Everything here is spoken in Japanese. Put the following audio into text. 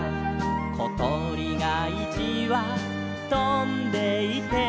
「ことりがいちわとんでいて」